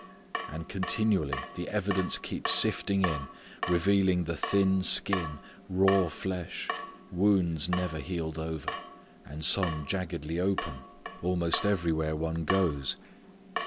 And continually the evidence keeps sifting in revealing the thin skin, raw flesh, wounds never healed over, and some jaggedly open, almost everywhere one goes.